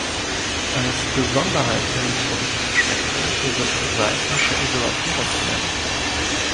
Als Besonderheit im Produktspektrum sind seismische Isolatoren zu nennen.